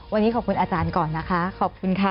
วันนี้ขอบคุณอาจารย์ก่อนนะคะขอบคุณค่ะ